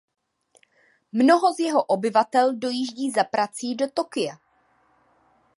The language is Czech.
Mnoho z jeho obyvatel dojíždí za prací do Tokia.